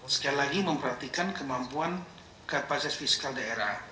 sekali lagi memperhatikan kemampuan kapasitas fiskal daerah